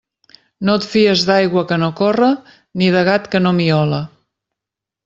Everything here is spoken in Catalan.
No et fies d'aigua que no corre ni de gat que no miole.